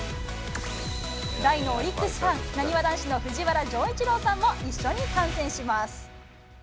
大のオリックスファン、なにわ男子の藤原丈一郎さんも一緒に観戦します。